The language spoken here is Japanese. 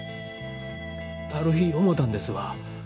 ある日思たんですわ。